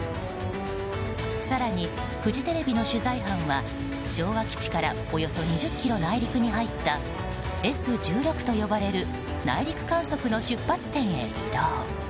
更に、フジテレビの取材班は昭和基地からおよそ２０ｋｍ内陸に入ったＳ１６と呼ばれる内陸観測の出発点に移動。